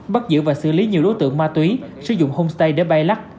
bắt giữ và xử lý nhiều đối tượng ma túy sử dụng homestay để bay lắc